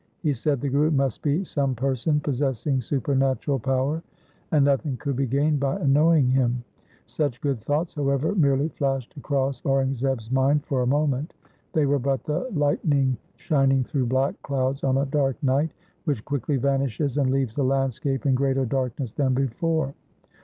He said the Guru must be some person possessing supernatural power, and nothing could be gained by annoying him. Such good thoughts however merely flashed across Aurang zeb's mind for a moment. They were but the light ning shining through black clouds on a dark night, which quickly vanishes and leaves the landscape in greater darkness than before.